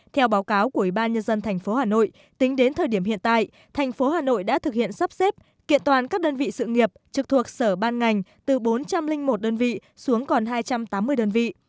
theo báo cáo của ủy ban nhân dân tp hà nội tính đến thời điểm hiện tại thành phố hà nội đã thực hiện sắp xếp kiện toàn các đơn vị sự nghiệp trực thuộc sở ban ngành từ bốn trăm linh một đơn vị xuống còn hai trăm tám mươi đơn vị